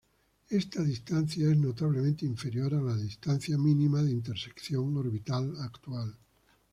Esta distancia es notablemente inferior a la distancia mínima de intersección orbital actual.